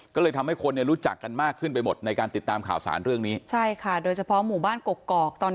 ก็เลยทำให้คนเนี่ยรู้จักกันมากขึ้นไปหมดในการติดตามข่าวสารเรื่องนี้ใช่ค่ะโดยเฉพาะหมู่บ้านกกอกตอน